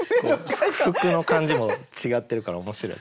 服の感じも違ってるから面白い。